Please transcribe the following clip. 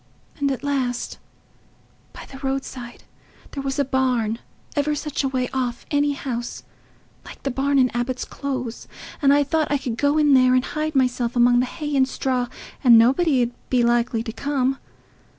And at last, by the roadside there was a barn—ever such a way off any house—like the barn in Abbot's Close, and I thought I could go in there and hide myself among the hay and straw, and nobody 'ud be likely to come.